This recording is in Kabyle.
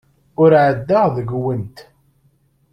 Ur ɛeddaɣ deg-went.